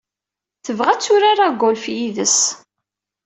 Tebɣa ad turar agolf yid-s.